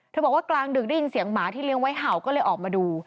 บอกว่ากลางดึกได้ยินเสียงหมาที่เลี้ยงไว้เห่าก็เลยออกมาดู